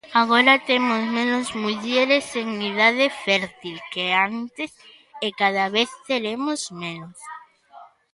Agora temos menos mulleres en idade fértil que antes e cada vez teremos menos.